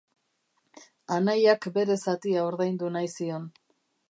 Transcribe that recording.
Anaiak bere zatia ordaindu nahi zion.